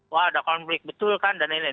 wah ada konflik betul kan dan lain lain